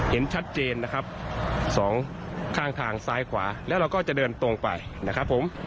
เห็นชัดเจนนะครับสองข้างทางซ้ายขวาแล้วเราก็จะเดินตรงไปนะครับผม